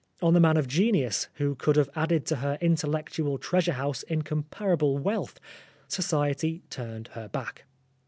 On the man of genius, who could have added to her intellectual treasure house incomparable wealth, Society turned her back.